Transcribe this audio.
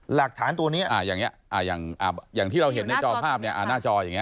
หลักฐานตัวนี้อย่างนี้อย่างที่เราเห็นในจอภาพเนี่ยหน้าจออย่างนี้